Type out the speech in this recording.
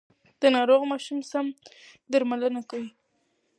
د ناروغ ماشوم سم درملنه کوي.